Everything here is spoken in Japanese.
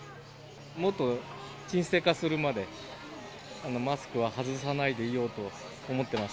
もっと沈静化するまで、マスクは外さないでいようと思ってます。